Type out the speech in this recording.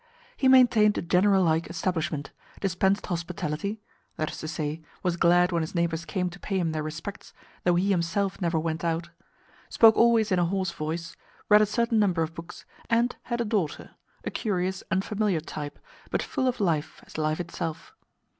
He maintained a General like establishment, dispensed hospitality (that is to say, was glad when his neighbours came to pay him their respects, though he himself never went out), spoke always in a hoarse voice, read a certain number of books, and had a daughter a curious, unfamiliar type, but full of life as life itself.